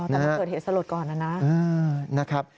แต่มันเกิดเหตุสลดก่อนนะครับ